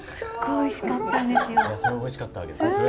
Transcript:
おいしかったわけですね。